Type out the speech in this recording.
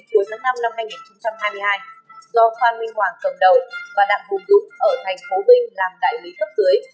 cuối tháng năm năm hai nghìn hai mươi hai do phan minh hoàng cầm đầu và đạt hùng dũng ở thành phố bình làm đại lý cấp cưới